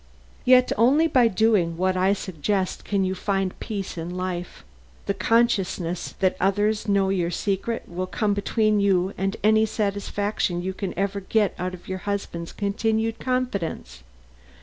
"Yet only by doing what I suggest can you find any peace in life. The consciousness that others know your secret will come between you and any satisfaction you can ever get out of your husband's continued confidence.